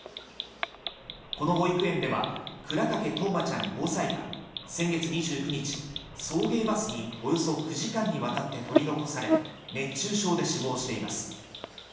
この保育園では倉掛冬生ちゃん５歳が、先月２９日、送迎バスにおよそ９時間にわたって取り残され熱中症で死亡しています。